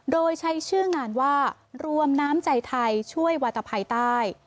โดยใช้ชื่องานว่ารวมน้ำใจไทยช่วยวาตภัยใต้